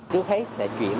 tôi thấy sẽ chuyển